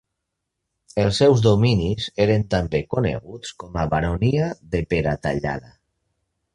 Els seus dominis eren també coneguts com a baronia de Peratallada.